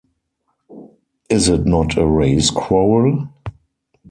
Is it not a race quarrel?